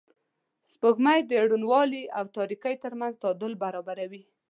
سپوږمۍ د روڼوالي او تاریکۍ تر منځ تعادل جوړوي